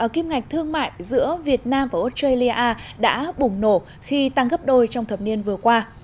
kim ngạch thương mại giữa việt nam và australia đã bùng nổ khi tăng gấp đôi trong thập niên vừa qua